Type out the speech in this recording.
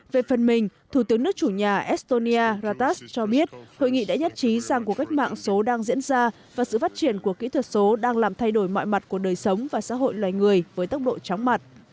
về phần mình thủ tướng nước chủ nhà estonia ratas cho biết hội nghị đã nhất trí rằng cuộc cách mạng số đang diễn ra và sự phát triển của kỹ thuật số đang làm thay đổi mọi mặt của đời sống và xã hội loài người với tốc độ chóng mặt